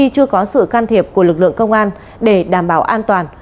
chưa có sự can thiệp của lực lượng công an để đảm bảo an toàn